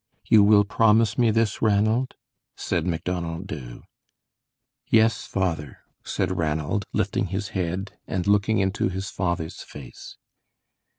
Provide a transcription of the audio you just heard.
You will promise me this, Ranald?" said Macdonald Dubh. "Yes, father," said Ranald, lifting his head, and looking into his father's face.